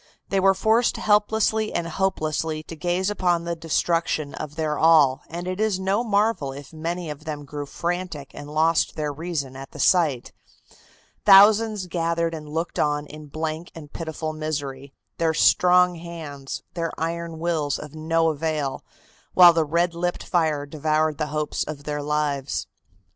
They were forced helplessly and hopelessly to gaze upon the destruction of their all, and it is no marvel if many of them grew frantic and lost their reason at the sight. Thousands gathered and looked on in blank and pitiful misery, their strong hands, their iron wills of no avail, while the red lipped fire devoured the hopes of their lives.